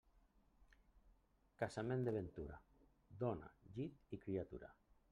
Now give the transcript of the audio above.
Casament de ventura: dona, llit i criatura.